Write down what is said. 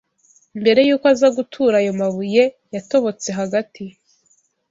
mbere yuko aza Gutura ayo mabuye yatobotse hagati